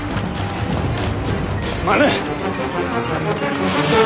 すまぬ。